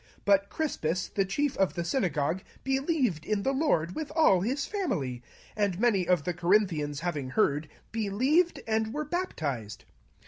8 Now Crispus, the ruler of the syna gogue, believed in the Lord with all his house : and many of the Corinthians, on hearing, believed, and were baptized.